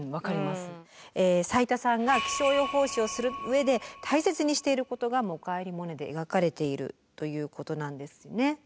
斉田さんが気象予報士をする上で大切にしていることが「おかえりモネ」で描かれているということなんですね。